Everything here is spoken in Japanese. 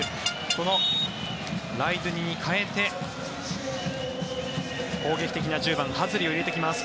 このライドゥニに代えて攻撃的な１０番、ハズリを入れてきます。